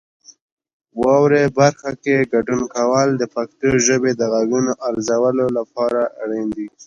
واورئ برخه کې ګډون کول د پښتو ژبې د غږونو ارزولو لپاره اړین دي.